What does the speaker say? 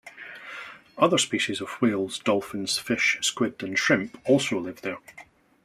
Other species of whales, dolphins, fish, squid and shrimp also live there.